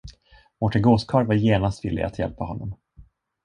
Mårten gåskarl var genast villig att hjälpa honom.